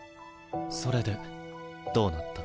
それでどうなった？